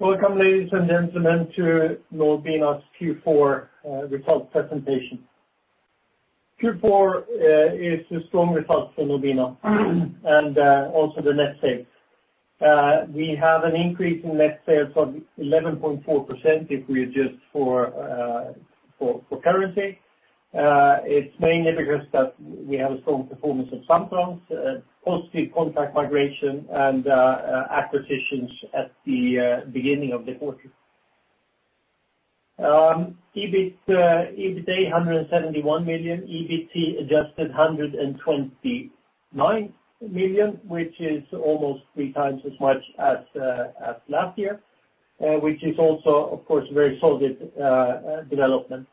Welcome, ladies and gentlemen, to Nobina's Q4 results presentation. Q4 is a strong result for Nobina, and also the net sales. We have an increase in net sales of 11.4% if we adjust for currency. It's mainly because that we have a strong performance of Samtrans, positive contract migration, and acquisitions at the beginning of the quarter. EBITDA, 171 million, EBITDA adjusted 129 million, which is almost three times as much as last year, which is also, of course, a very solid development.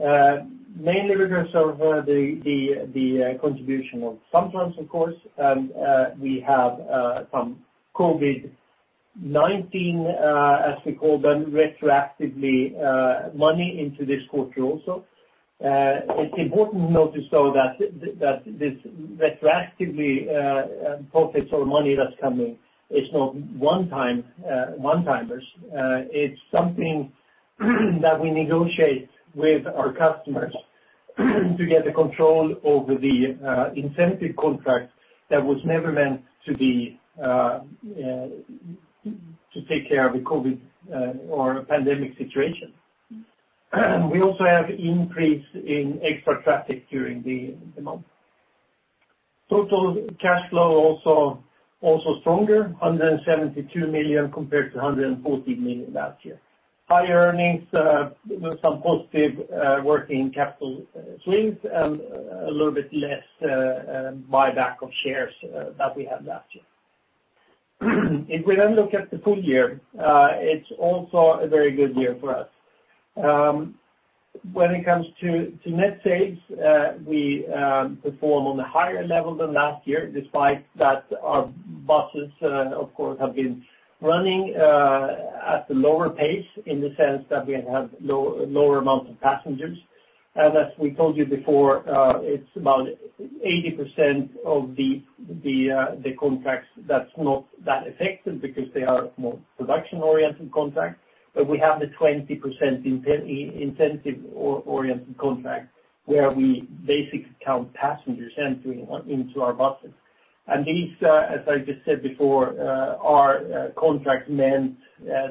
Mainly because of the contribution of SamTrans, of course, and we have some COVID-19, as we call them, retroactively money into this quarter also. It's important to notice though that this retroactively profits or money that's coming, it's not one-timers. It's something that we negotiate with our customers to get the control over the incentive contract that was never meant to take care of a COVID-19 or a pandemic situation. We also have increase in extra traffic during the month. Total cash flow also stronger, 172 million compared to 114 million last year. High earnings, with some positive working capital swings and a little bit less buyback of shares that we had last year. If we look at the full year, it's also a very good year for us. When it comes to net sales, we perform on a higher level than last year, despite that our buses, of course, have been running at a lower pace in the sense that we have had lower amounts of passengers. As we told you before, it's about 80% of the contracts that's not that affected because they are more production-oriented contracts, but we have a 20% incentive-oriented contract where we basically count passengers entering into our buses. These, as I just said before, are contracts meant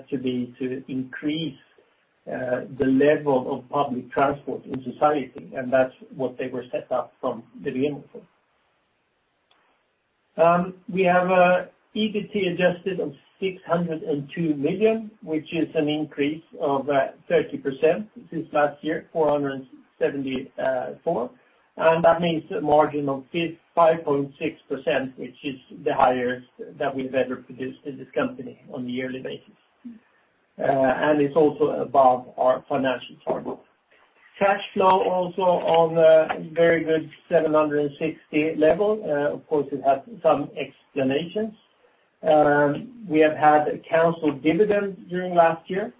to increase the level of public transport in society, and that's what they were set up from the beginning for. We have an EBITDA adjusted of 602 million, which is an increase of 30% since last year, 474, and that means a margin of 5.6%, which is the highest that we've ever produced in this company on a yearly basis. It's also above our financial target. Cash flow also on a very good 760 level. Of course, it has some explanations. We have had a canceled dividend during last year.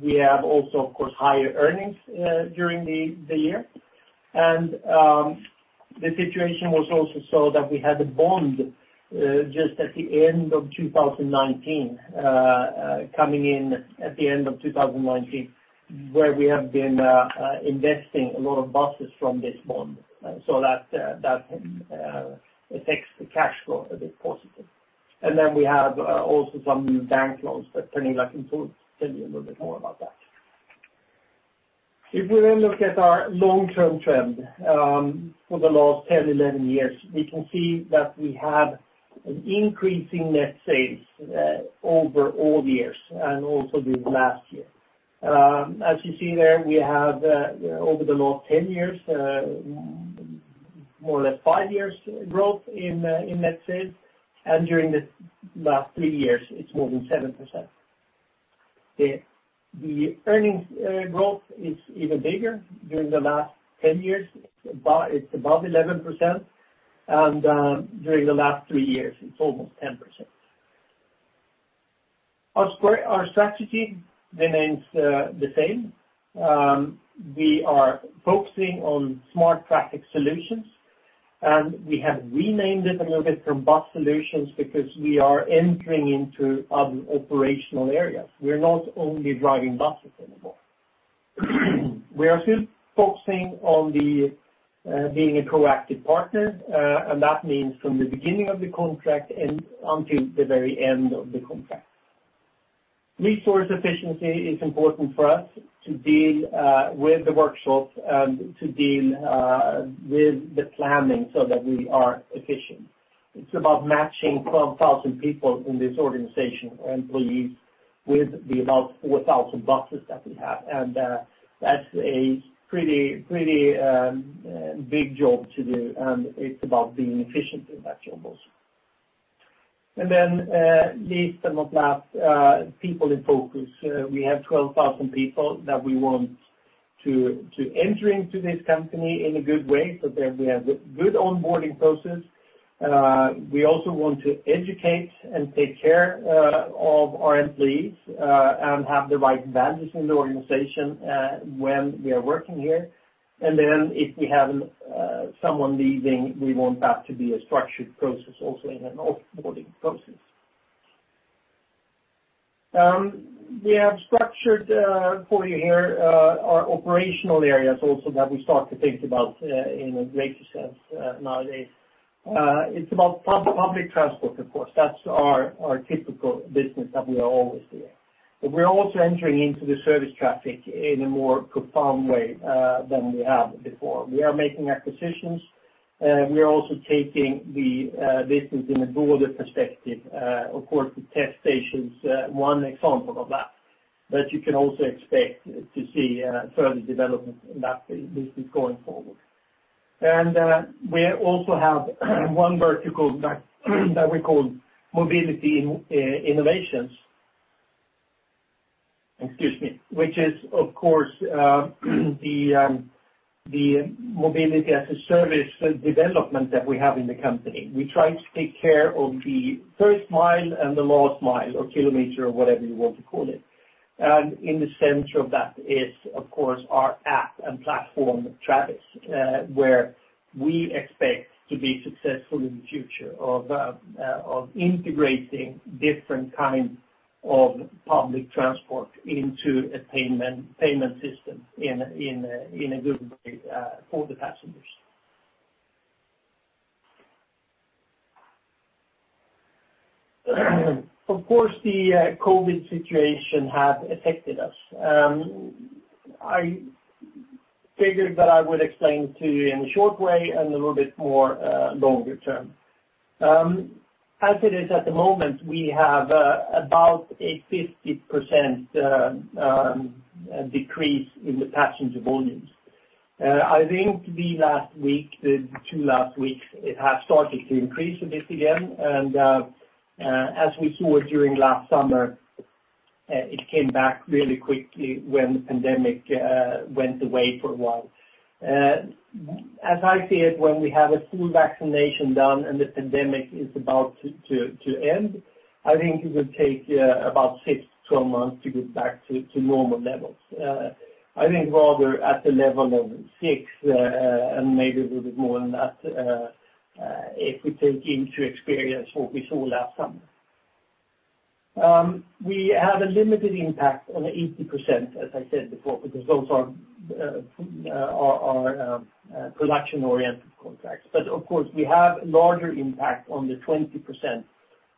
We have also, of course, higher earnings during the year. The situation was also so that we had a bond just at the end of 2019, coming in at the end of 2019, where we have been investing a lot of buses from this bond. That affects the cash flow a bit positive. We have also some bank loans that Henning Ljusnefors will tell you a little bit more about that. If we then look at our long-term trend for the last 10, 11 years, we can see that we have an increasing net sales over all years and also during last year. As you see there, we have over the last 10 years, more or less five years growth in net sales, and during the last three years, it's more than 7%. The earnings growth is even bigger during the last 10 years. It's above 11%, and during the last three years, it's almost 10%. Our strategy remains the same. We are focusing on smart traffic solutions, and we have renamed it a little bit from bus solutions because we are entering into other operational areas. We're not only driving buses anymore. We are still focusing on being a proactive partner, and that means from the beginning of the contract and until the very end of the contract. Resource efficiency is important for us to deal with the workshops and to deal with the planning so that we are efficient. It's about matching 12,000 people in this organization or employees with the about 4,000 buses that we have. That's a pretty big job to do, and it's about being efficient in that job also. Last, people in focus. We have 12,000 people that we want to enter into this company in a good way, so then we have a good onboarding process. We also want to educate and take care of our employees, and have the right advantages in the organization when we are working here. If we have someone leaving, we want that to be a structured process also in an off-boarding process. We have structured for you here our operational areas also that we start to think about in a greater sense nowadays. It's about public transport, of course, that's our typical business that we are always doing. We're also entering into the service traffic in a more profound way than we have before. We are making acquisitions, and we are also taking the business in a broader perspective. Of course, the test station's one example of that, but you can also expect to see further development in that business going forward. We also have one vertical that we call mobility innovations. Excuse me. Which is, of course, the mobility as a service development that we have in the company. We try to take care of the first mile and the last mile or kilometer or whatever you want to call it. In the center of that is, of course, our app and platform, Travis, where we expect to be successful in the future of integrating different kind of public transport into a payment system in a good way for the passengers. Of course, the COVID situation has affected us. I figured that I would explain to you in a short way and a little bit more longer term. As it is at the moment, we have about a 50% decrease in the passenger volumes. I think the last week, the two last weeks, it has started to increase a bit again. As we saw during last summer, it came back really quickly when the pandemic went away for a while. As I see it, when we have a full vaccination done and the pandemic is about to end, I think it will take about six-12 months to get back to normal levels. I think rather at the level of six, and maybe a little bit more than that, if we take into experience what we saw last summer. We have a limited impact on the 80%, as I said before, because those are our production-oriented contracts. Of course, we have larger impact on the 20%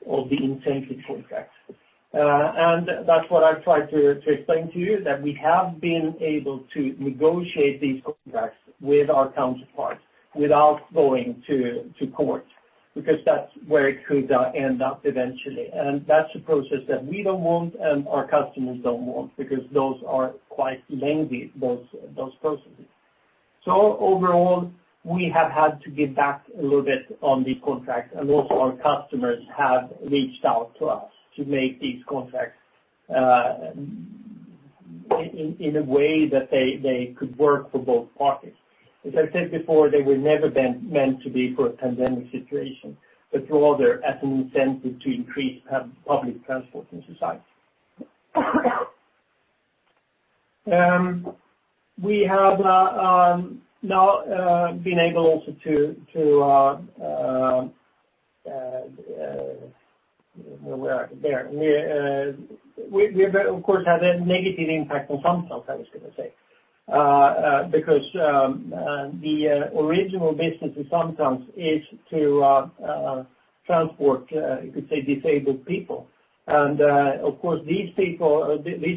of the incentive contracts. That's what I've tried to explain to you, that we have been able to negotiate these contracts with our counterparts without going to court, because that's where it could end up eventually. That's a process that we don't want and our customers don't want, because those are quite lengthy, those processes. Overall, we have had to give back a little bit on the contract, and also our customers have reached out to us to make these contracts in a way that they could work for both parties. As I said before, they were never meant to be for a pandemic situation, but rather as an incentive to increase public transport in society. We, of course, had a negative impact on SamTrans. The original business with SamTrans is to transport, you could say, disabled people. Of course, these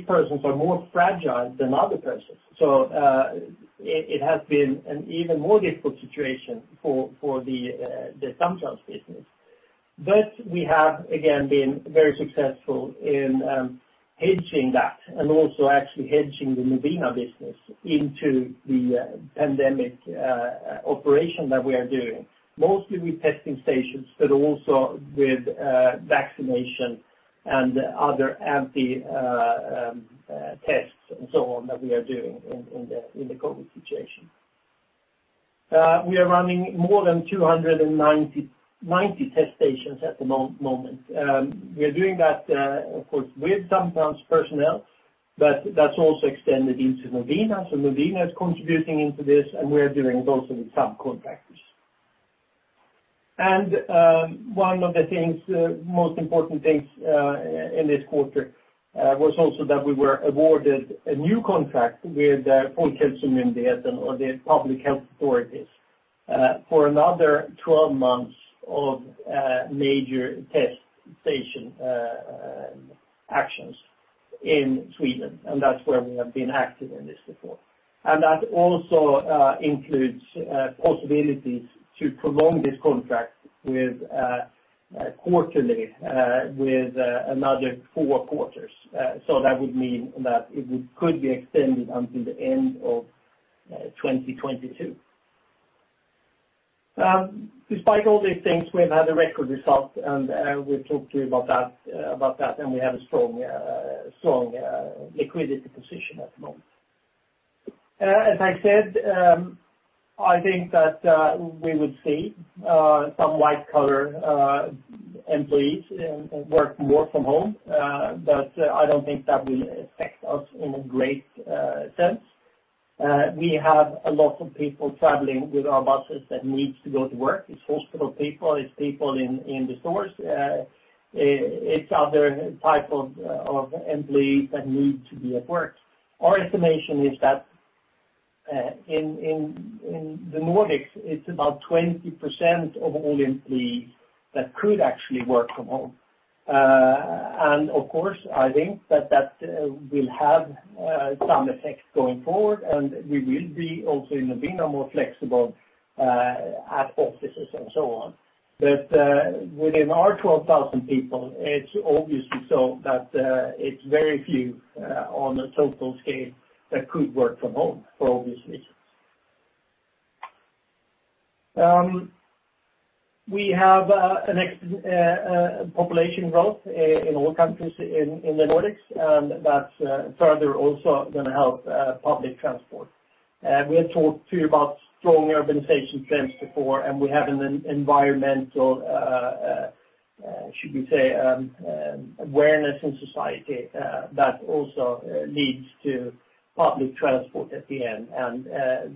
persons are more fragile than other persons. It has been an even more difficult situation for the SamTrans business. We have, again, been very successful in hedging that and also actually hedging the Nobina business into the pandemic operation that we are doing, mostly with testing stations, but also with vaccination and other anti tests and so on that we are doing in the COVID situation. We are running more than 290 test stations at the moment. We are doing that, of course, with SamTrans personnel, but that's also extended into Nobina. Nobina is contributing into this, and we're doing it also with some contractors. One of the most important things in this quarter was also that we were awarded a new contract with Folkhälsomyndigheten or the public health authorities for another 12 months of major test station actions in Sweden, and that's where we have been active in this before. That also includes possibilities to prolong this contract quarterly with another four quarters. That would mean that it could be extended until the end of 2022. Despite all these things, we've had a record result, and we'll talk to you about that, and we have a strong liquidity position at the moment. As I said, I think that we would see some white-collar employees work more from home, but I don't think that will affect us in a great sense. We have a lot of people traveling with our buses that need to go to work. It's hospital people, it's people in the stores, it's other type of employees that need to be at work. Our estimation is that in the Nordics, it's about 20% of all employees that could actually work from home. Of course, I think that will have some effect going forward, and we will be also in Nobina more flexible at offices and so on. Within our 12,000 people, it's obviously so that it's very few on a total scale that could work from home for obvious reasons. We have a population growth in all countries in the Nordics, and that further also going to help public transport. We have talked to you about strong urbanization trends before, and we have an environmental, should we say, awareness in society that also leads to public transport at the end.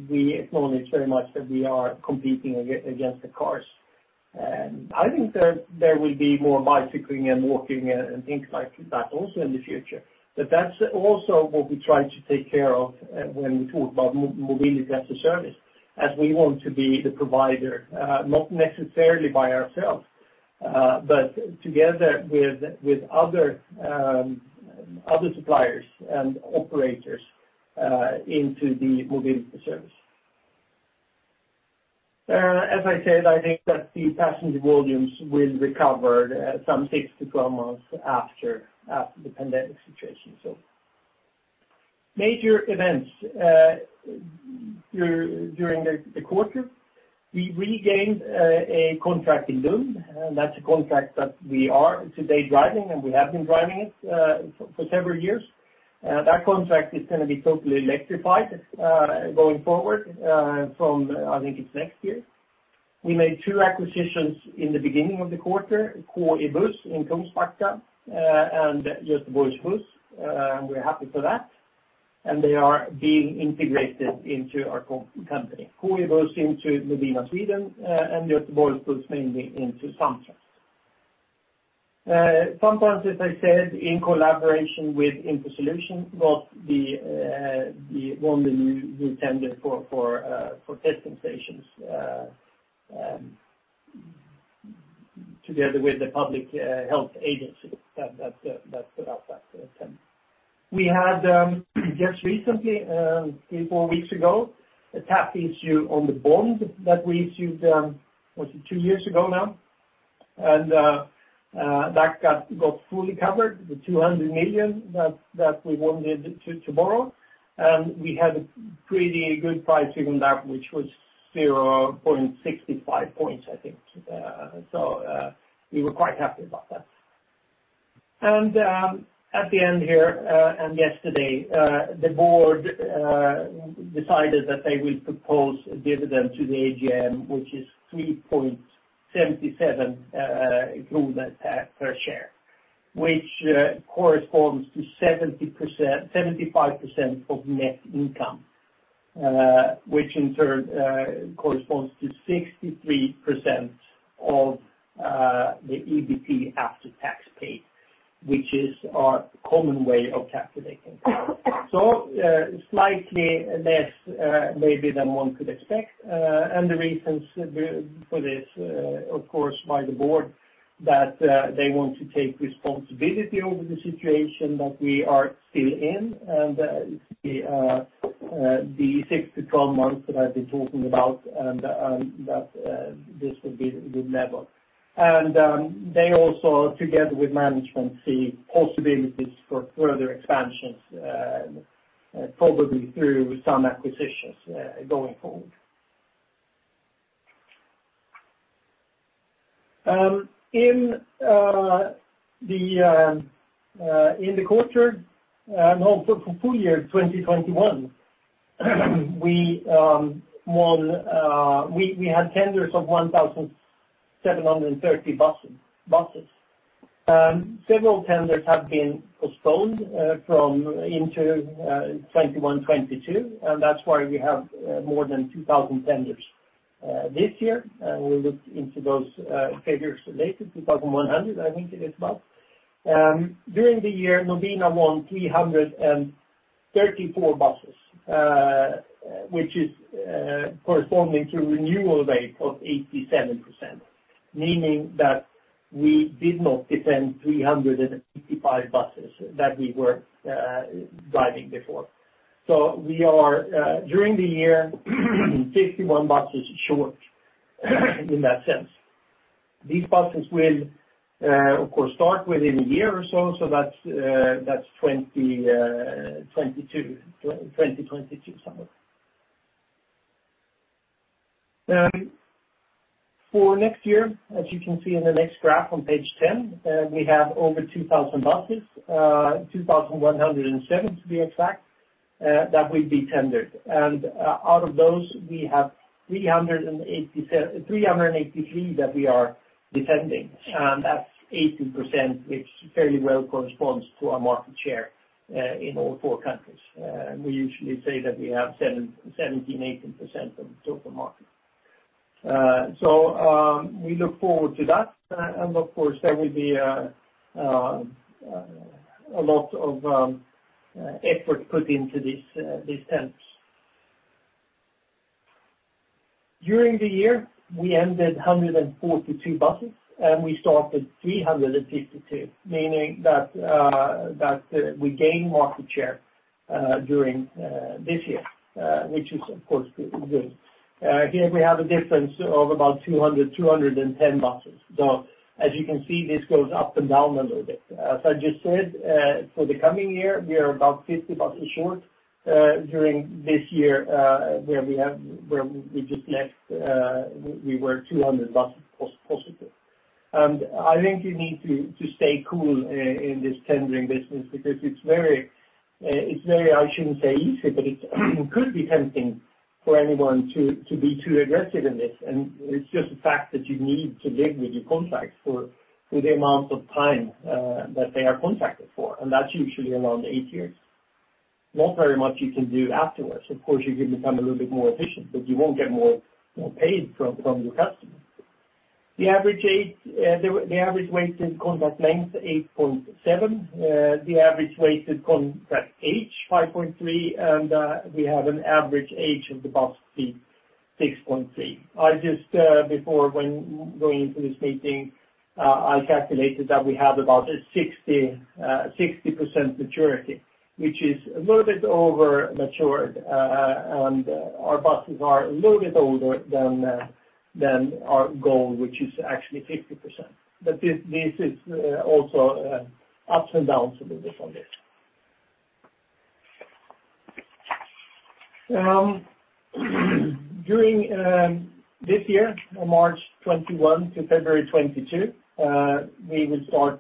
We acknowledge very much that we are competing against the cars. I think there will be more bicycling and walking and things like that also in the future. That's also what we try to take care of when we talk about Mobility as a Service, as we want to be the provider, not necessarily by ourselves, but together with other suppliers and operators into the Mobility Service. As I said, I think that the passenger volumes will recover some six to 12 months after the pandemic situation. Major events during the quarter. We regained a contract in Lund, and that's a contract that we are today driving, and we have been driving it for several years. That contract is going to be totally electrified going forward from, I think it's next year. We made two acquisitions in the beginning of the quarter, KE's Bussar in Kungsbacka and Götabuss. We're happy for that. They are being integrated into our company, KE's Bussar into Nobina Sweden, and Götabuss mainly into SamTrans. SamTrans, as I said, in collaboration with Infosolutions, got the one new tender for testing stations together with the Public Health Agency. That's about that. We had just recently three, four weeks ago, a tap issue on the bond that we issued was it two years ago now? That got fully covered with 200 million that we wanted to borrow. We had a pretty good pricing on that, which was 0.65 points, I think. We were quite happy about that. At the end here and yesterday, the board decided that they will propose a dividend to the AGM, which is 3.77 kronor per share, which corresponds to 75% of net income, which in turn corresponds to 63% of the EBITDA after tax paid, which is our common way of calculating. Slightly less, maybe than one could expect. The reasons for this, of course, by the board, that they want to take responsibility over the situation that we are still in, and the six to 12 months that I've been talking about and that this will be the level. They also together with management, see possibilities for further expansions probably through some acquisitions going forward. In the quarter and also for full year 2021, we had tenders of 1,730 buses. Several tenders have been postponed into 2021, 2022, and that's why we have more than 2,000 tenders this year. We'll look into those figures later, 2,100, I think it is about. During the year, Nobina won 334 buses, which is corresponding to a renewal rate of 87%, meaning that we did not defend 355 buses that we were driving before. We are during the year, 51 buses short in that sense. These buses will of course start within a year or so. That's 2022 summer. For next year, as you can see in the next graph on page 10, we have over 2,000 buses, 2,107 to be exact, that will be tendered. Out of those, we have 383 that we are defending, and that's 80%, which fairly well corresponds to our market share in all four countries. We usually say that we have 17%-18% of the total market. We look forward to that. Of course, there will be a lot of effort put into these tenders. During the year, we ended 142 buses and we started 352, meaning that we gained market share during this year which is, of course, good. Here we have a difference of about 200, 210 buses. As you can see, this goes up and down a little bit. As I just said, for the coming year, we are about 50 buses short during this year where we were 200 buses positive. I think you need to stay cool in this tendering business because it's very, I shouldn't say easy, but it could be tempting for anyone to be too aggressive in this. It's just a fact that you need to live with your contracts for the amount of time that they are contracted for, and that's usually around eight years. Not very much you can do afterwards. Of course, you can become a little bit more efficient, but you won't get more pay from your customers. The average weighted contract length, 8.7. The average weighted contract age, 5.3, and we have an average age of the bus fleet, 6.3. I just, before going into this meeting, I calculated that we have about 60% maturity, which is a little bit over matured, and our buses are a little bit older than our goal, which is actually 50%. This is also ups and downs a little bit on this. During this year, March 2021 to February 2022, we will end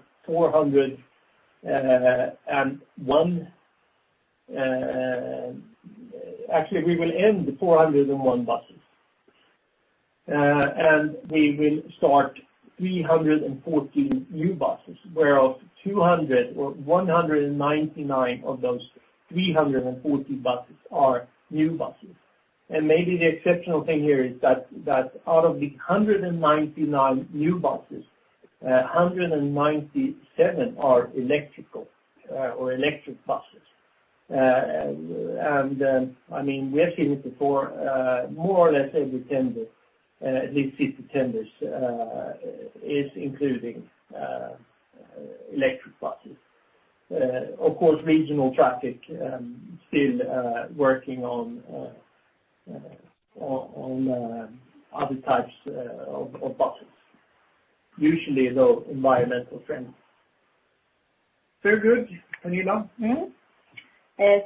401 buses. We will start 340 new buses, where of 200 or 199 of those 340 buses are new buses. Maybe the exceptional thing here is that out of the 199 new buses, 197 are electrical or electric buses. We have seen it before more or less every tender, at least city tenders, is including electric buses. Of course, regional traffic still working on other types of buses. Usually, though, environmental friendly. Very good. You, Pernilla? Mm-hmm. A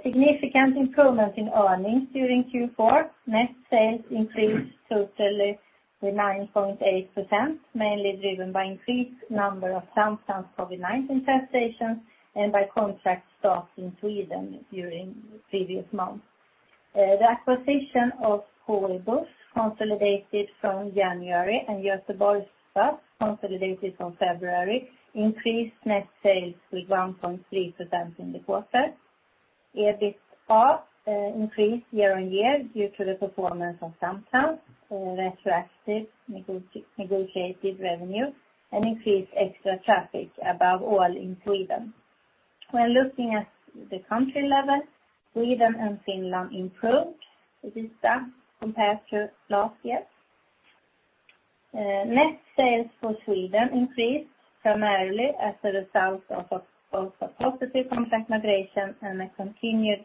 significant improvement in earnings during Q4. Net sales increased totally with 9.8%, mainly driven by increased number of SamTrans COVID-19 test stations and by contract start in Sweden during the previous month. The acquisition of KE's Bussar, consolidated from January, and Götabuss, consolidated from February, increased net sales with 1.3% in the quarter. EBITDA increased year-over-year due to the performance of SamTrans, retroactive negotiated revenue, and increased extra traffic, above all in Sweden. When looking at the country level, Sweden and Finland improved EBITDA compared to last year. Net sales for Sweden increased primarily as a result of positive contract migration and a continued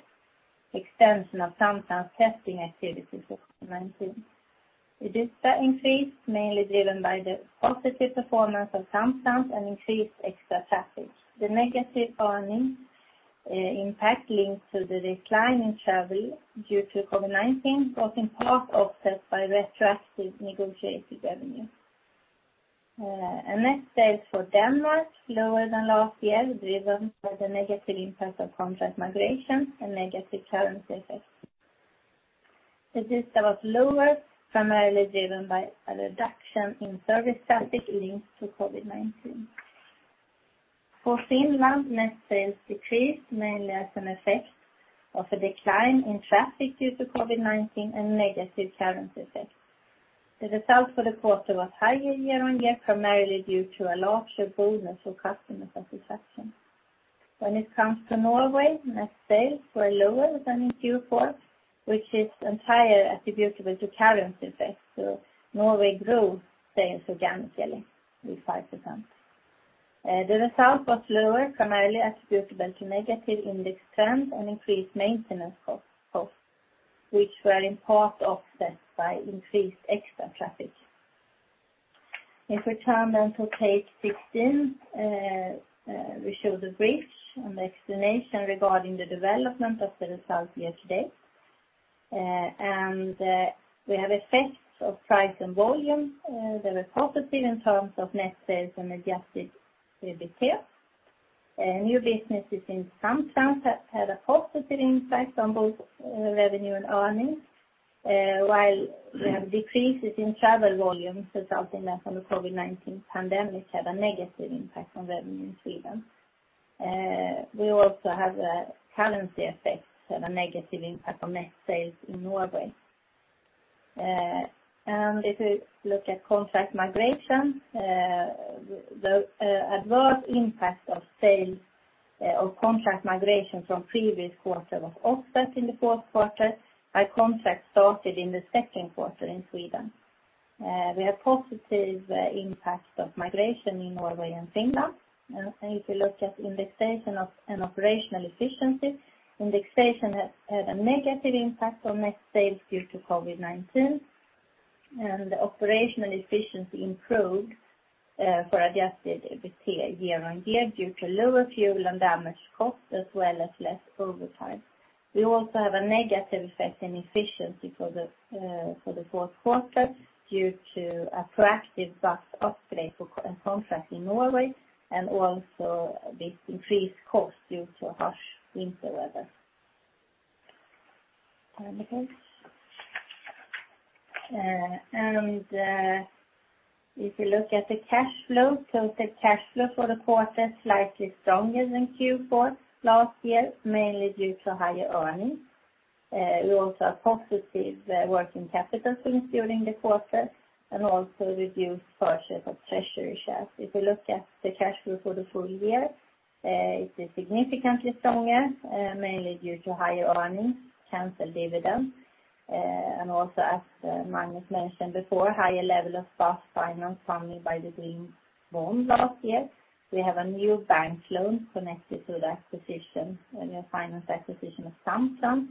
extension of SamTrans testing activities for COVID-19. EBITDA increased mainly driven by the positive performance of SamTrans and increased extra traffic. The negative earning impact linked to the decline in travel due to COVID-19 was in part offset by retroactive negotiated revenue. Net sales for Denmark lower than last year, driven by the negative impact of contract migration and negative currency effects. The EBITDA was lower, primarily driven by a reduction in service traffic linked to COVID-19. For Finland, net sales decreased mainly as an effect of a decline in traffic due to COVID-19 and negative currency effects. The result for the quarter was higher year-over-year, primarily due to a larger bonus for customer satisfaction. When it comes to Norway, net sales were lower than in Q4, which is entirely attributable to currency effects. Norway grew sales organically with 5%. The result was lower, primarily attributable to negative index trend and increased maintenance costs, which were in part offset by increased extra traffic. If we turn then to page 16, we show the brief and the explanation regarding the development of the results year-to-date. We have effects of price and volume that are positive in terms of net sales and adjusted EBITDA. New businesses in SamTrans had a positive impact on both revenue and earnings, while we have decreases in travel volumes resulting from the COVID-19 pandemic had a negative impact on revenue in Sweden. We also have a currency effect, had a negative impact on net sales in Norway. If you look at contract migration, the adverse impact of sale of contract migration from previous quarter was offset in the fourth quarter by contracts started in the second quarter in Sweden. We have positive impacts of migration in Norway and Finland. If you look at indexation and operational efficiency, indexation had a negative impact on net sales due to COVID-19, and the operational efficiency improved for adjusted EBITDA year-on-year due to lower fuel and damage cost, as well as less overtime. We also have a negative effect in efficiency for the fourth quarter due to a proactive bus upgrade for a contract in Norway, and also the increased cost due to harsh winter weather. If you look at the cash flow, total cash flow for the quarter, slightly stronger than Q4 last year, mainly due to higher earnings. We also have positive working capital during the quarter and also reduced purchase of treasury shares. If you look at the cash flow for the full year, it is significantly stronger, mainly due to higher earnings, canceled dividend, and also, as Magnus mentioned before, higher level of bus finance funded by the green bond last year. We have a new bank loan connected to the finance acquisition of SamTrans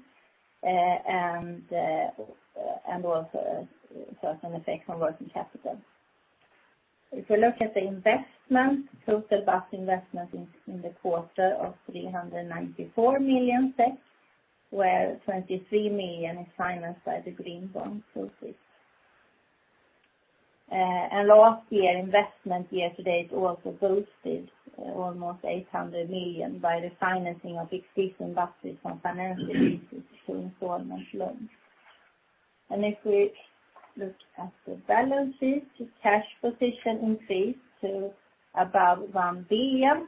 and also certain effect on working capital. If you look at the investment, total bus investment in the quarter of 394 million, where 23 million is financed by the green bond proceeds. Last year investment year-to-date also boosted almost 800 million by refinancing of existing buses from financial leases to installment loans. If we look at the balance sheet, cash position increased to above SEK 1 billion.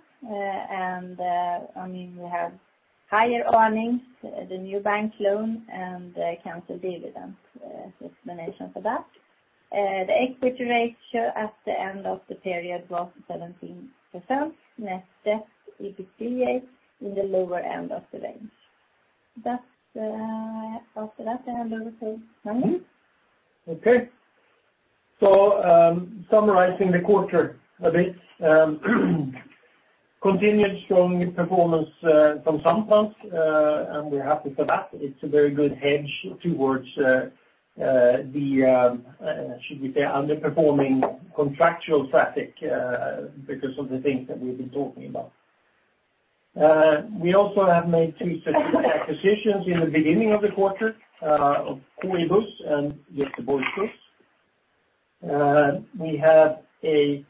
We have higher earnings, the new bank loan and canceled dividend as explanation for that. The equity ratio at the end of the period was 17%, net debt to EBITDA in the lower end of the range. After that, I hand over to Magnus. Summarizing the quarter a bit. Continued strong performance from SamTrans, and we're happy for that. It's a very good hedge towards the, should we say, underperforming contractual traffic because of the things that we've been talking about. We also have made two strategic acquisitions in the beginning of the quarter, of KE's Bussar and Götabuss. We have a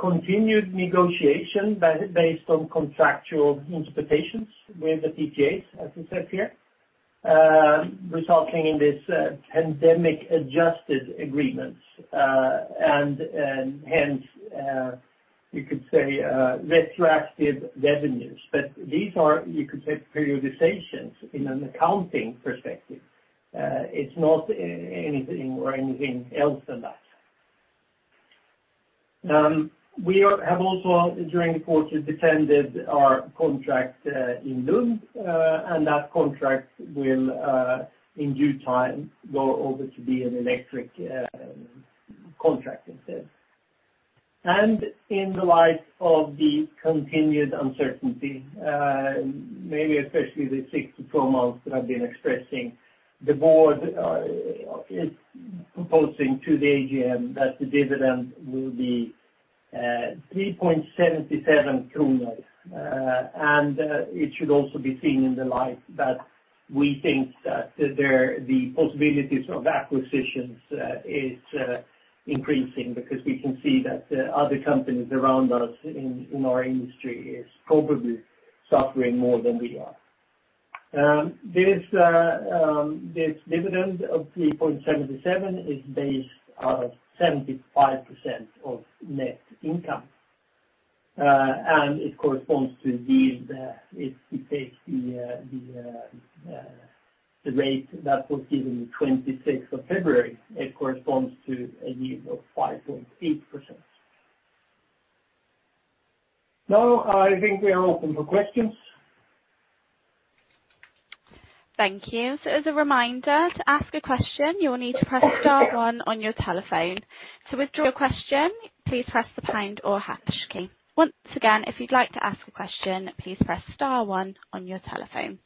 continued negotiation based on contractual interpretations with the PTAs, as we said here, resulting in these pandemic-adjusted agreements, and hence, you could say, retroactive revenues. These are, you could say, periodization's in an accounting perspective. It's not anything or anything else than that. We have also, during the quarter, defended our contract in Lund, and that contract will, in due time, go over to be an electric contract instead. In the light of the continued uncertainty, maybe especially the six to 12 months that I've been expressing, the board is proposing to the AGM that the dividend will be 3.77 kronor. It should also be seen in the light that we think that the possibilities of acquisitions is increasing because we can see that other companies around us in our industry is probably suffering more than we are. This dividend of 3.77 is based out of 75% of net income, and it corresponds to yield, if you take the rate that was given the 26th of February, it corresponds to a yield of 5.8%. I think we are open for questions. Thank you. As a reminder, to ask a question, you will need to press star one on your telephone. To withdraw your question, please press the pound or hash key. Once again, if you'd like to ask a question, please press star one on your telephone.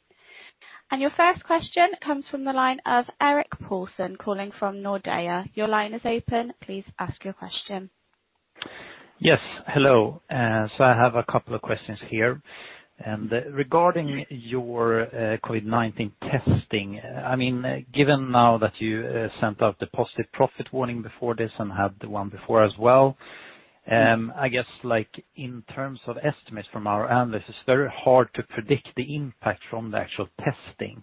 Your first question comes from the line of Erik Paulsson, calling from Nordea. Your line is open. Please ask your question. Yes. Hello. I have a couple of questions here. Regarding your COVID-19 testing, given now that you sent out the positive profit warning before this and had the one before as well, I guess, in terms of estimates from our analysis, it's very hard to predict the impact from the actual testing.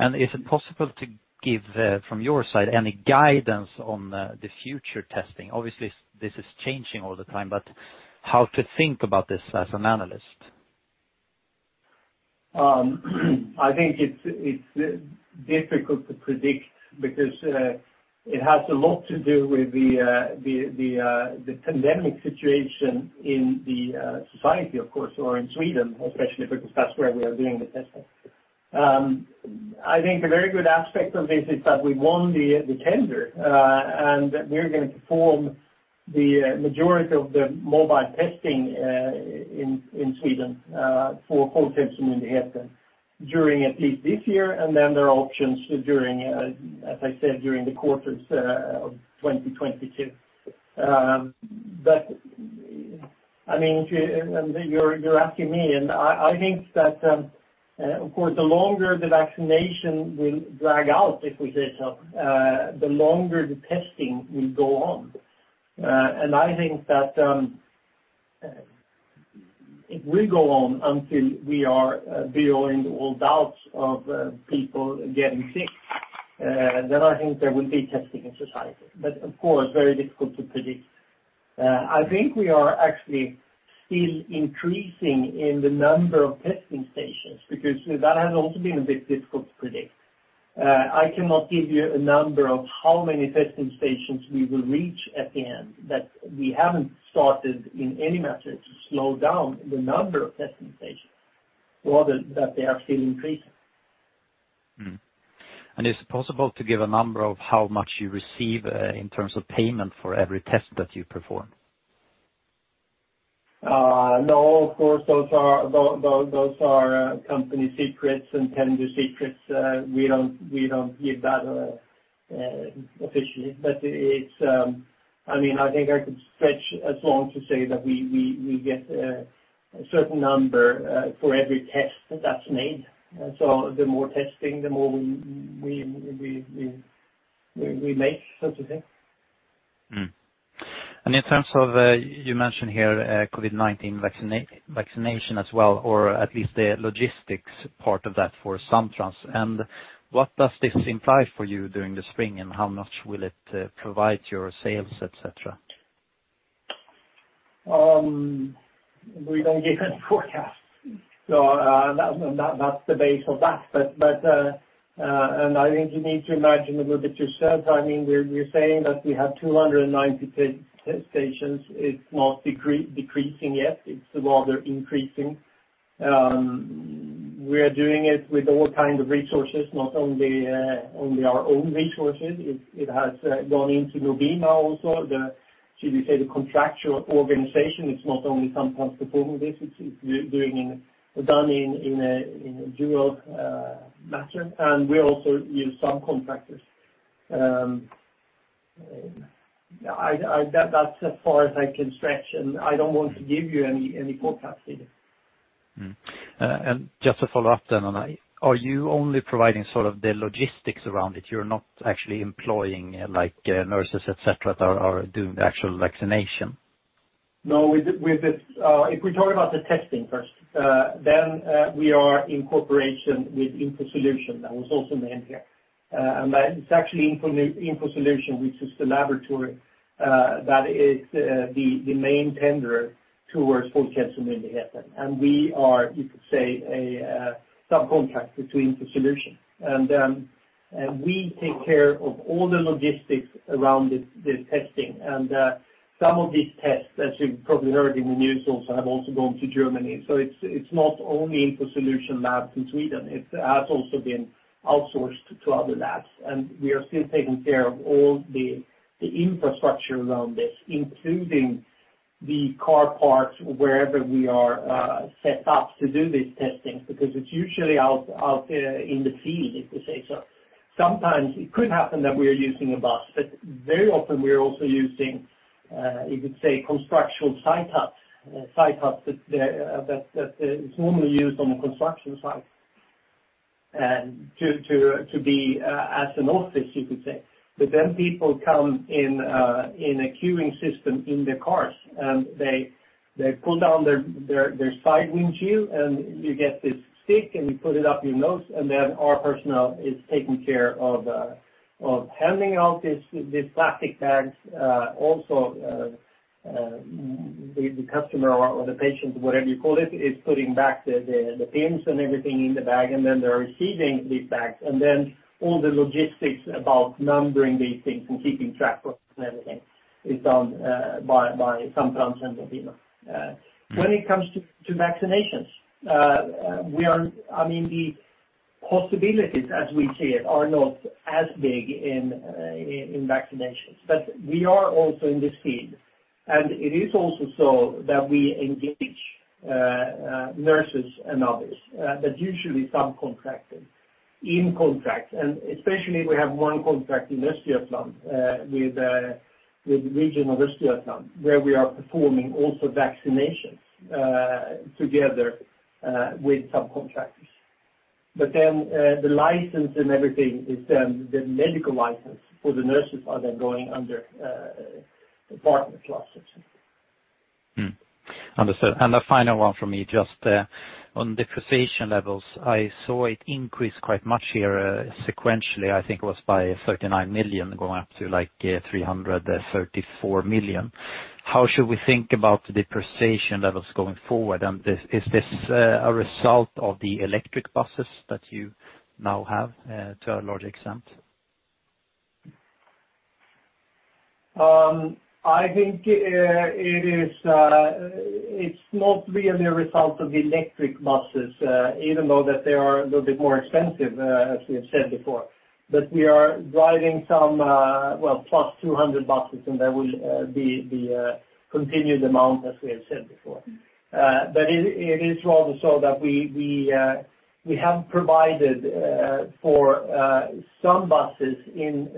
Is it possible to give, from your side, any guidance on the future testing? Obviously, this is changing all the time, but how to think about this as an analyst? I think it's difficult to predict because it has a lot to do with the pandemic situation in the society, of course, or in Sweden especially, because that's where we are doing the testing. I think a very good aspect of this is that we won the tender. We're going to perform the majority of the mobile testing in Sweden for Folkhälsomyndigheten during at least this year, and then there are options to, as I said, during the quarters of 2022. You're asking me, and I think that, of course, the longer the vaccination will drag out, if we say so, the longer the testing will go on. I think that it will go on until we are beyond all doubts of people getting sick. I think there will be testing in society. Of course, very difficult to predict. I think we are actually still increasing in the number of testing stations, because that has also been a bit difficult to predict. I cannot give you a number of how many testing stations we will reach at the end, but we haven't started, in any measure, to slow down the number of testing stations. Rather, that they are still increasing. Mm-hmm. Is it possible to give a number of how much you receive in terms of payment for every test that you perform? No. Of course, those are company secrets and tender secrets. We don't give that officially. I think I could stretch as long to say that we get a certain number for every test that's made. The more testing, the more we make, so to say. Mm-hmm. In terms of, you mentioned here COVID-19 vaccination as well, or at least the logistics part of that for SamTrans. What does this imply for you during the spring, and how much will it provide your sales, et cetera? We don't give any forecasts. That's the base of that. I think you need to imagine a little bit yourself. We're saying that we have 290 test stations. It's not decreasing yet, it's rather increasing. We are doing it with all kind of resources, not only our own resources. It has gone into Nobina also, should we say, the contractual organization. It's not only sometimes performing this, it's done in a dual matter. We also use some contractors. That's as far as I can stretch, and I don't want to give you any forecasts either. Mm-hmm. Just to follow up on that, are you only providing sort of the logistics around it? You're not actually employing nurses, et cetera, that are doing the actual vaccination? No. If we talk about the testing first, we are in cooperation with Infosolutions, that was also named here. It's actually Infosolutions, which is the laboratory that is the main tenderer towards Folkhälsomyndigheten. We are, you could say, a subcontractor to Infosolutions. We take care of all the logistics around this testing. Some of these tests, as you've probably heard in the news also, have also gone to Germany. It's not only Infosolutions labs in Sweden. It has also been outsourced to other labs, and we are still taking care of all the infrastructure around this, including the car parks wherever we are set up to do these testing, because it's usually out in the field, if you say so. Sometimes it could happen that we are using a bus, but very often we are also using, you could say, construction site huts that is normally used on a construction site to be as an office, you could say. People come in a queuing system in their cars, and they pull down their side windshield, and you get this stick, and you put it up your nose, and then our personnel is taking care of handing out these plastic bags. The customer or the patient, whatever you call it, is putting back the pins and everything in the bag, and then they're receiving these bags, and then all the logistics about numbering these things and keeping track of everything is done by SamTrans and Nobina. When it comes to vaccinations, the possibilities as we see it are not as big in vaccinations. We are also in this field. It is also so that we engage nurses and others that usually subcontracted in contract. Especially we have one contract in Östergötland with region of Östergötland, where we are performing also vaccinations together with subcontractors. The license and everything, the medical license for the nurses are then going under the partner classes. Understood. The final one for me, just on depreciation levels, I saw it increase quite much here sequentially, I think it was by 39 million going up to 334 million. How should we think about depreciation levels going forward? Is this a result of the electric buses that you now have to a large extent? I think it's not really a result of the electric buses, even though that they are a little bit more expensive, as we have said before, but we are driving some well plus 200 buses, and that will be the continued amount as we have said before. It is rather so that we have provided for some buses in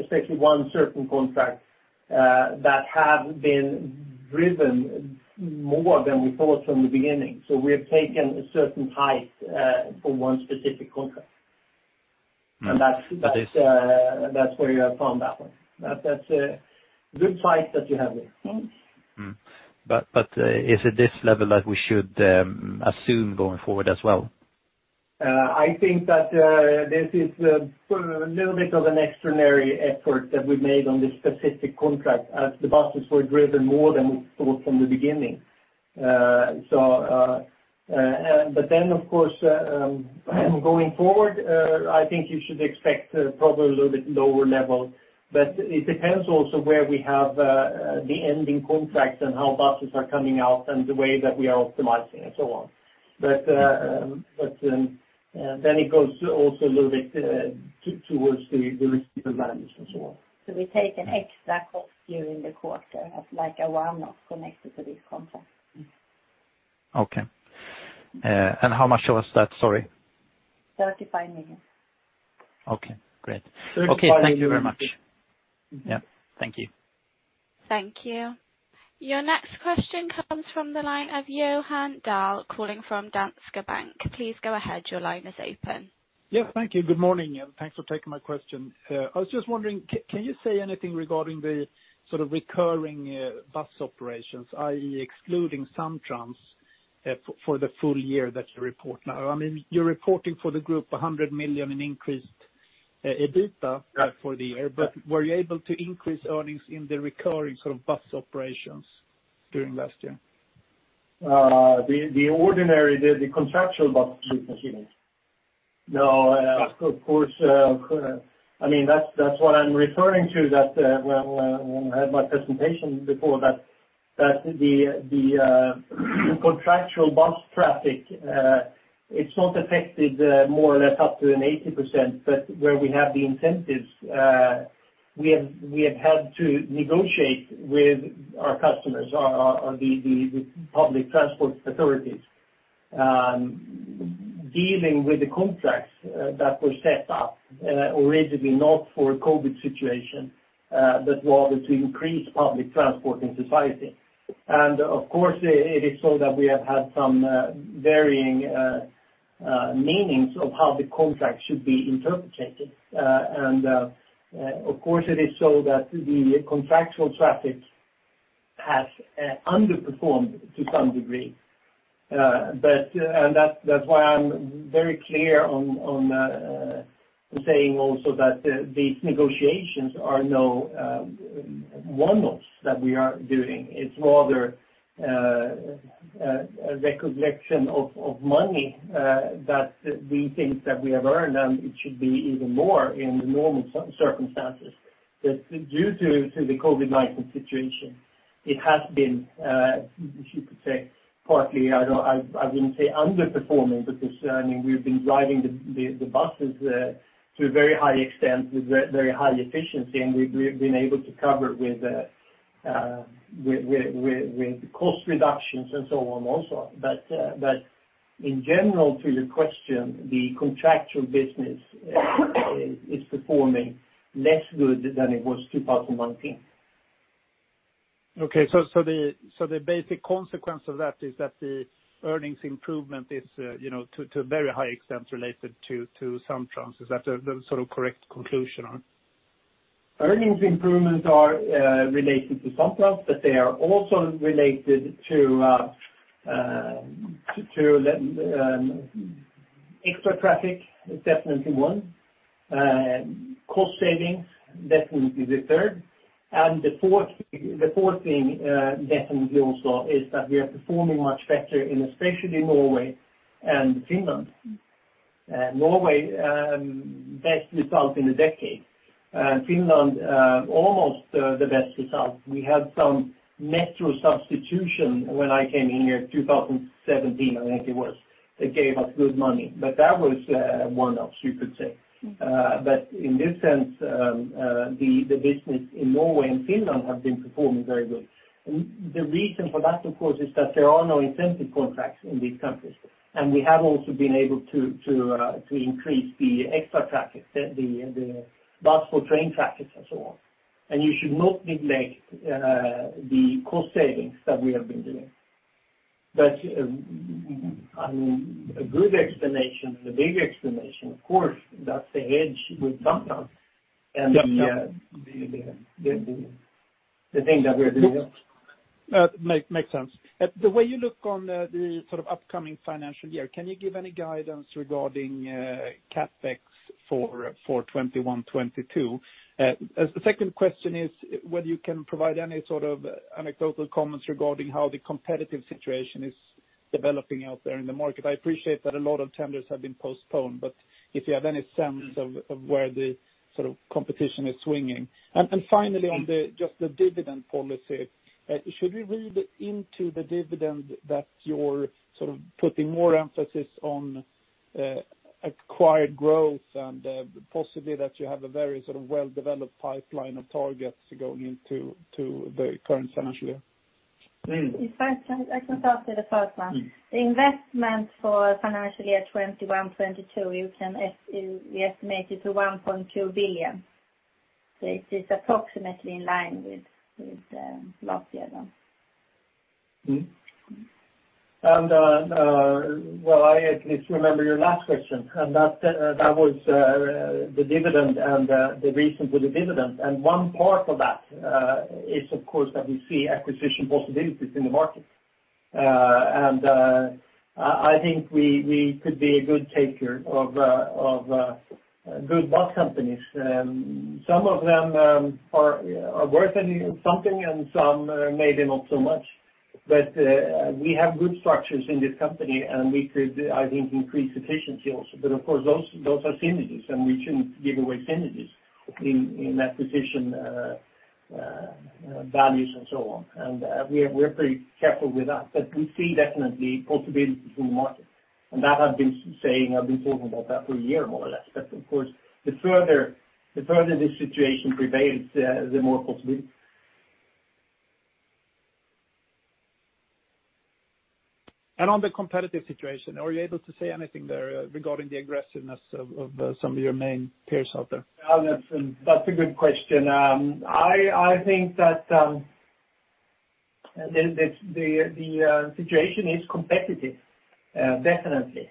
especially one certain contract, that have been driven more than we thought from the beginning. We have taken a certain height for one specific contract. Right. That's where you have found that one. That's a good fight that you have there. Is it this level that we should assume going forward as well? I think that this is a little bit of an extraordinary effort that we made on this specific contract as the buses were driven more than we thought from the beginning. Of course, going forward, I think you should expect probably a little bit lower level, but it depends also where we have the ending contracts and how buses are coming out and the way that we are optimizing and so on. It goes also a little bit towards the risk management and so on. We take an extra cost during the quarter as like a one-off connected to this contract. Okay. How much was that? Sorry. 35 million. Okay, great. 35 million. Okay, thank you very much. Yeah. Thank you. Thank you. Your next question comes from the line of Johan Dahl, calling from Danske Bank. Please go ahead. Your line is open. Yeah. Thank you. Good morning. Thanks for taking my question. I was just wondering, can you say anything regarding the sort of recurring bus operations, i.e., excluding SamTrans for the full year that you report now? You're reporting for the group 100 million in increased EBITDA for the year. Were you able to increase earnings in the recurring sort of bus operations during last year? The ordinary, the contractual bus business, you mean? No. Of course. That's what I'm referring to that when I had my presentation before that the contractual bus traffic, it's not affected more or less up to an 80%. Where we have the incentives, we have had to negotiate with our customers or the public transport authorities, dealing with the contracts that were set up originally not for a COVID situation, but rather to increase public transport in society. Of course, it is so that we have had some varying meanings of how the contract should be interpreted. Of course, it is so that the contractual traffic has underperformed to some degree. That's why I'm very clear on saying also that these negotiations are no one-offs that we are doing. It's rather a recollection of money that we think that we have earned, and it should be even more in the normal circumstances. Due to the COVID-19 situation, it has been, if you could say partly, I wouldn't say underperforming because we've been driving the buses to a very high extent with very high efficiency, and we've been able to cover with cost reductions and so on also. In general, to the question, the contractual business is performing less good than it was 2019. Okay. The basic consequence of that is that the earnings improvement is to a very high extent related to some trends. Is that the sort of correct conclusion? Earnings improvements are related to some trends, but they are also related to extra traffic, is definitely one, cost savings, definitely the third, and the fourth thing definitely also is that we are performing much better in especially Norway and Finland. Norway, best result in a decade. Finland, almost the best result. We had some metro substitution when I came here 2017, I think it was. They gave us good money, but that was one-offs, you could say. In this sense, the business in Norway and Finland have been performing very well. The reason for that, of course, is that there are no incentive contracts in these countries, and we have also been able to increase the extra traffic, the bus or train traffic and so on. You should not neglect the cost savings that we have been doing. A good explanation and a big explanation, of course, that's the hedge with SamTrans and the thing that we're doing. Makes sense. The way you look on the upcoming financial year, can you give any guidance regarding CapEx for 2021, 2022? The second question is whether you can provide any sort of anecdotal comments regarding how the competitive situation is developing out there in the market. I appreciate that a lot of tenders have been postponed, but if you have any sense of where the competition is swinging. Finally on just the dividend policy, should we read into the dividend that you're putting more emphasis on acquired growth and possibly that you have a very well-developed pipeline of targets going into the current financial year? If I can answer the first one. The investment for financial year 2021, 2022, we estimate it to 1.2 billion. It is approximately in line with last year now. Well, I at least remember your last question, and that was the dividend and the reason for the dividend. One part of that is, of course, that we see acquisition possibilities in the market. I think we could be a good taker of good bus companies. Some of them are worth something and some maybe not so much. We have good structures in this company, and we could, I think, increase efficiency also. Of course, those are synergies, and we shouldn't give away synergies in acquisition values and so on. We're pretty careful with that. We see definitely possibilities in the market. That I've been saying, I've been talking about that for a year, more or less. Of course, the further this situation prevails, the more possibilities. On the competitive situation, are you able to say anything there regarding the aggressiveness of some of your main peers out there? That's a good question. I think that the situation is competitive, definitely.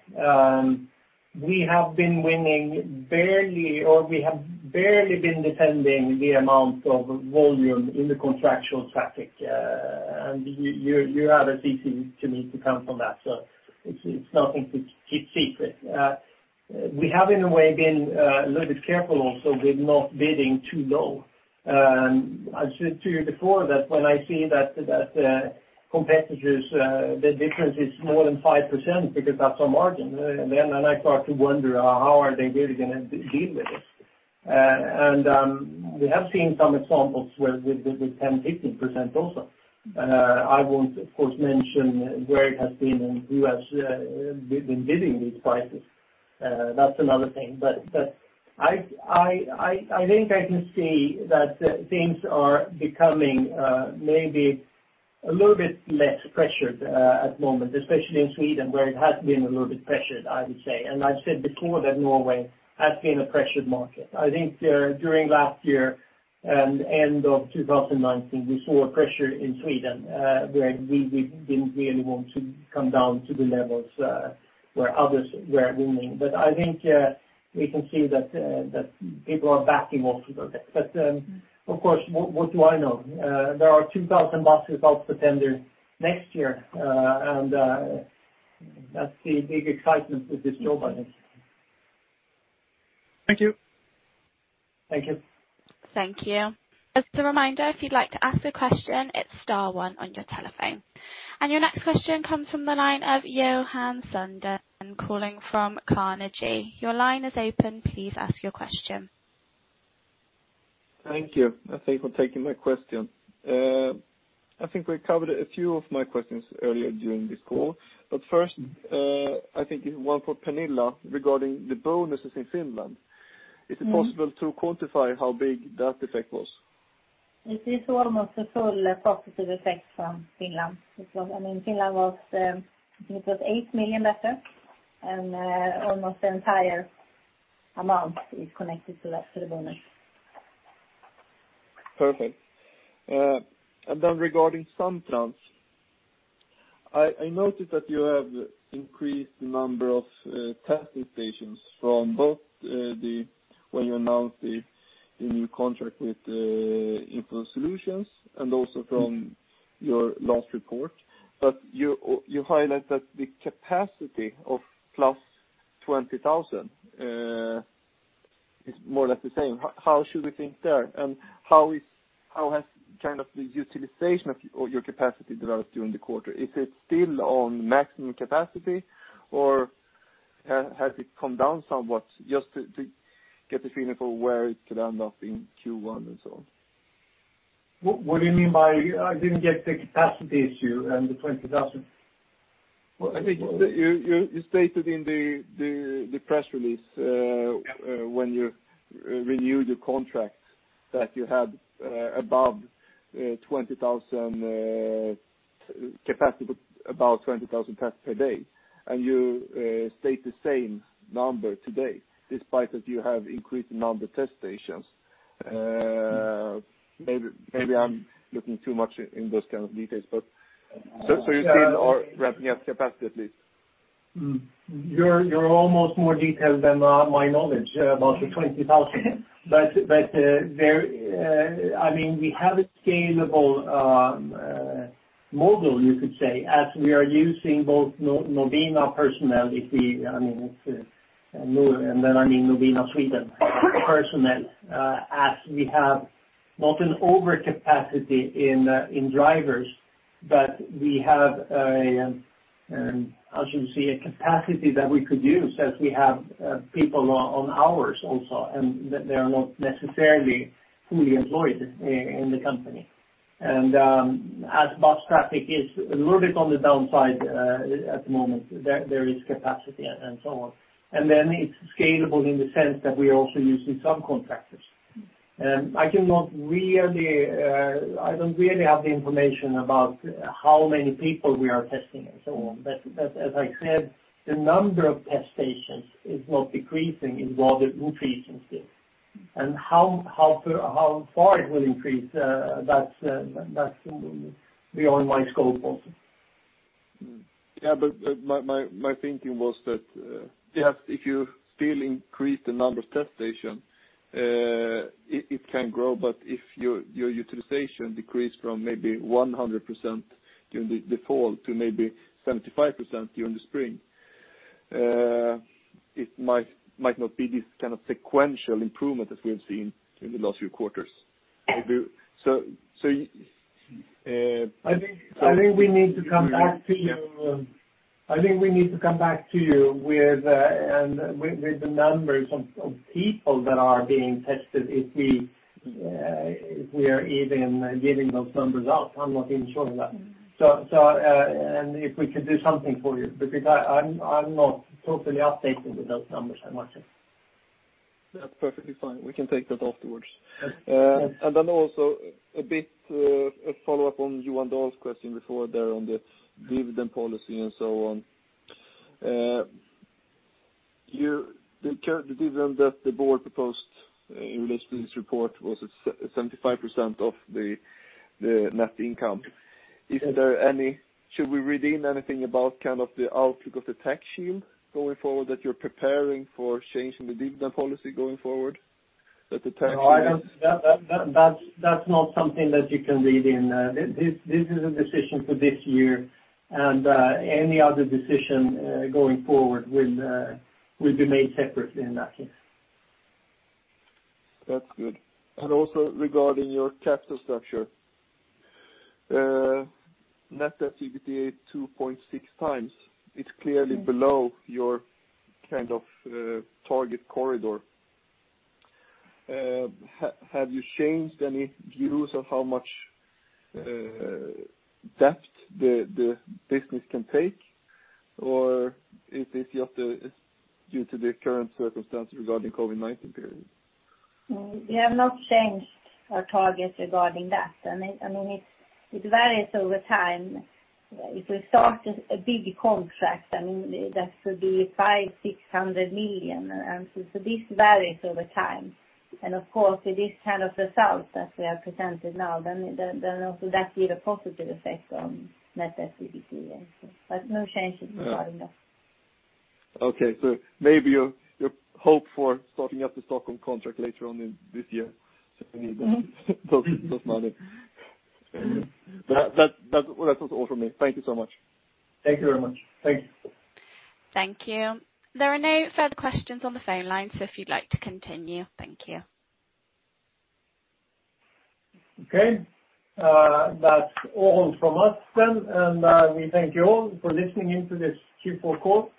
We have been winning barely, or we have barely been defending the amount of volume in the contractual traffic. You're as easy to me to count from that, so it's nothing to keep secret. We have in a way been a little bit careful also with not bidding too low. I said to you before that when I see that competitors, the difference is more than 5%, because that's our margin, then I start to wonder, how are they really going to deal with this? We have seen some examples with 10%, 15% also. I won't, of course, mention where it has been and who has been bidding these prices. That's another thing. I think I can see that things are becoming maybe a little bit less pressured at the moment, especially in Sweden, where it has been a little bit pressured, I would say. I've said before that Norway has been a pressured market. I think during last year and end of 2019, we saw a pressure in Sweden, where we didn't really want to come down to the levels where others were winning. I think we can see that people are backing off a little bit. Of course, what do I know? There are 2,000 bus results to tender next year, and that's the big excitement with this job, I think. Thank you. Thank you. Thank you. Just a reminder, if you'd like to ask a question, it's star one on your telephone. Your next question comes from the line of Johan Sundén calling from Carnegie. Your line is open. Please ask your question. Thank you. Thank you for taking my question. I think we covered a few of my questions earlier during this call. First, I think one for Pernilla regarding the bonuses in Finland. Is it possible to quantify how big that effect was? We see almost a full positive effect from Finland. I mean, Finland was 8 million better and almost the entire amount is connected to the bonus. Perfect. Regarding SamTrans, I noticed that you have increased the number of testing stations from both when you announced the new contract with Infosolutions and also from your last report. You highlight that the capacity of plus 20,000It's more or less the same. How should we think there? How has the utilization of your capacity developed during the quarter? Is it still on maximum capacity, or has it come down somewhat? Just to get a feeling for where it could end up in Q1 and so on. What do you mean? I didn't get the capacity issue and the 20,000. You stated in the press release when you renewed your contracts that you had above 20,000 capacity, about 20,000 tests per day, and you state the same number today despite that you have increased the number of test stations. Maybe I'm looking too much in those kind of details, but so you still are ramping up capacity at least. You're almost more detailed than my knowledge about the 20,000. We have a scalable model, you could say, as we are using both Nobina personnel, and then I mean Nobina Sverige personnel, as we have not an overcapacity in drivers, but we have a, how should we say, a capacity that we could use as we have people on hours also, and they are not necessarily fully employed in the company. As bus traffic is a little bit on the downside at the moment, there is capacity and so on. Then it's scalable in the sense that we are also using some contractors. I don't really have the information about how many people we are testing and so on. As I said, the number of test stations is not decreasing. It rather increases. How far it will increase, that's beyond my scope also. My thinking was that if you still increase the number of test stations, it can grow, but if your utilization decreased from maybe 100% during the fall to maybe 75% during the spring, it might not be this kind of sequential improvement that we have seen in the last few quarters. I think we need to come back to you with the numbers of people that are being tested if we are even giving those numbers out. I'm not even sure of that. If we can do something for you, because I'm not totally updated with those numbers, I must say. That's perfectly fine. We can take that afterwards. Also a bit of a follow-up on Johan Dahl's question before there on the dividend policy and so on. The dividend that the board proposed in relation to this report was at 75% of the net income. Should we read in anything about the outlook of the tax shield going forward, that you're preparing for changing the dividend policy going forward? That the tax. No, that's not something that you can read in. This is a decision for this year, and any other decision going forward will be made separately in that case. That's good. Also regarding your capital structure. Net debt to EBITDA 2.6 times. It's clearly below your target corridor. Have you changed any views on how much debt the business can take, or is this just due to the current circumstances regarding COVID-19 period? We have not changed our targets regarding that. It varies over time. If we start a big contract, that could be 500 million, 600 million. This varies over time. Of course, with this kind of result that we have presented now, then also that give a positive effect on net activity. No changes regarding that. Okay, so maybe your hope for starting up the Stockholm contract later on in this year certainly those numbers. That was all from me. Thank you so much. Thank you very much. Thanks. Thank you. There are no further questions on the phone line, so if you'd like to continue. Thank you. Okay. That's all from us then. We thank you all for listening in to this Q4 call.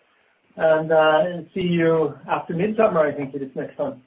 See you after midsummer, I think, it is next time.